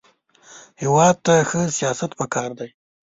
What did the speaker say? هېواد ته ښه سیاست پکار دی